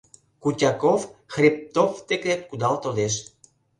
Кутяков Хребтов дек кудал толеш.